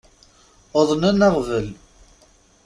Uḍnen aɣbel.